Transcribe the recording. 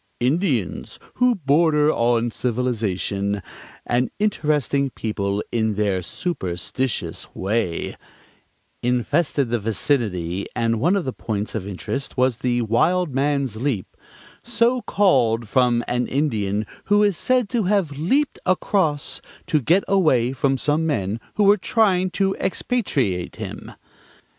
"Indians who border on civilization, an interesting people in their superstitious way," infested the vicinity, and one of the points of interest was the Wild Man's Leap, "so called from an Indian who is said to have leaped across to get away from some men who were trying to expatriate him."